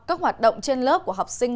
các hoạt động trên lớp của học sinh